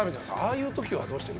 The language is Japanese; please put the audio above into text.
あいうときはどうしてる？」